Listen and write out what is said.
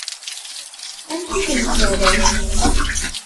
Amek i tent-terramt?